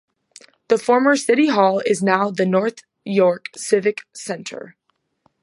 The former city hall is now the North York Civic Centre.